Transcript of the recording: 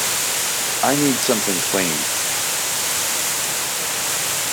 I need something clean.